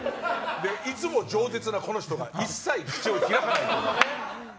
いつも饒舌なこの人が一切、口を開かない。